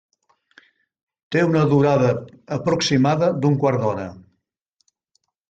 Té una durada aproximada d'un quart hora.